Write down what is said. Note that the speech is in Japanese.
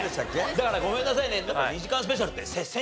だからごめんなさいね。